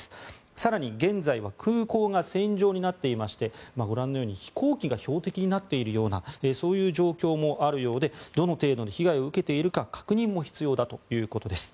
更に現在は空港が戦場になっていましてご覧のように飛行機が標的になっているような状況もあるようでどの程度の被害を受けているか確認も必要だということです。